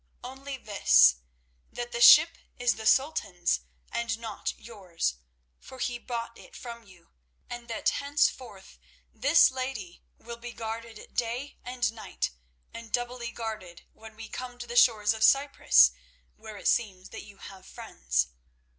"Only this, that the ship is the Sultan's and not yours, for he bought it from you, and that henceforth this lady will be guarded day and night, and doubly guarded when we come to the shores of Cyprus, where it seems that you have friends.